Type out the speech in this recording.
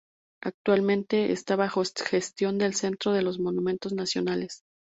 Actualmente está bajo gestión del Centro de los monumentos nacionales.